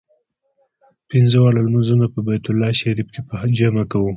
پنځه واړه لمونځونه په بیت الله شریف کې په جمع کوو.